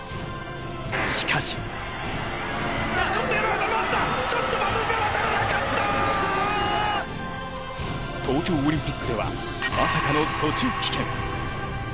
しかし東京オリンピックではまさかの途中棄権。